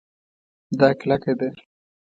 دا کلکه ده